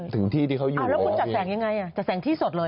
ถึงที่ที่เขาอยู่แล้วคุณจัดแสงยังไงอ่ะจัดแสงที่สดเลย